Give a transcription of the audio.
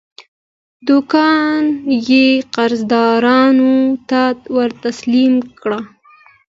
دوکان یې قرضدارانو ته ورتسلیم کړ.